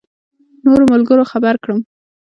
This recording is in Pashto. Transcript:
نورو ملګرو خبر کړم.